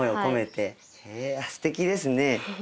へえすてきですね。